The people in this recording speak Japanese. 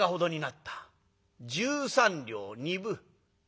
十三両二分。